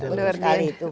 betul sekali itu